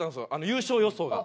優勝予想が。